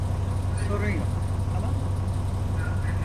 Sorun yok, tamam mı?